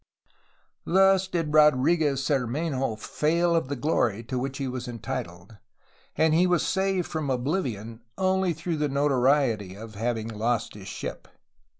Thus did Rodriguez Cermenho fail of the glory to which he was entitled, and he was saved from oblivion only through the notoriety of having lost his ship.